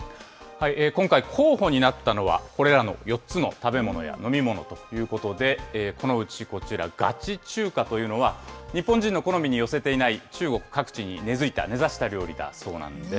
今回、候補になったのは、これらの４つの食べ物や飲み物ということで、このうちこちら、ガチ中華というのは、日本人の好みに寄せていない、中国各地に根づいた、根ざした料理なんだそうです。